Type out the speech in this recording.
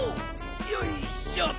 よいしょ。